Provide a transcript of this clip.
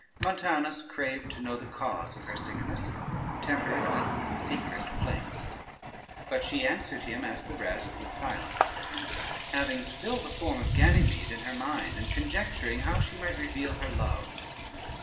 Montanus craved to know the cause of her sickness, tempered with secret plaints, but she answered him, as the rest, with silence, having still the form of Ganymede in her mind, and conjecturing how she might reveal her loves.